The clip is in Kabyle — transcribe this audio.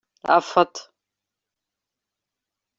Ɛeffeṭ!